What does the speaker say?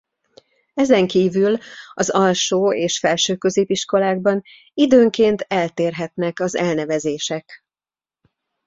Ezen kívül az Alsó- és Felső-középiskolákban időnként eltérhetnek az elnevezések.